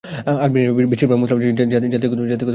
আলবেনিয়ার বেশিরভাগ মুসলমান জাতিগত আলবেনীয়।